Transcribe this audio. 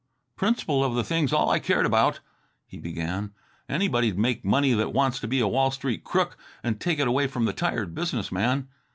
"Principle of the thing's all I cared about," he began. "Anybody make money that wants to be a Wall Street crook and take it away from the tired business man.